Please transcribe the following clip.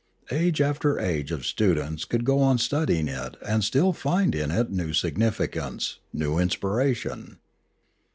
Age after age of students could go on studying it aud still find in it new significance, new inspiration.